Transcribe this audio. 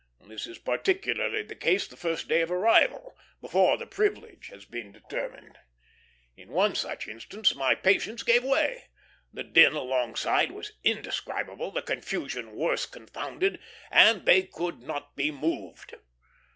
This is particularly the case the first day of arrival, before the privilege has been determined. In one such instance my patience gave way; the din alongside was indescribable, the confusion worse confounded, and they could not be moved.